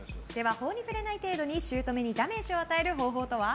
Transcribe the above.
法に触れない程度に姑にダメージを与える方法とは？